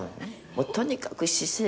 「もうとにかく姿勢がね